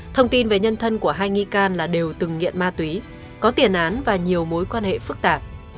thông tin về nhân thân của hai nghi can là đều từng nghiện ma túy có tiền án và nhiều mối quan hệ phức tạp